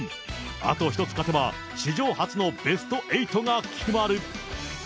あと１つ勝てば、史上初のベスト８が決まる。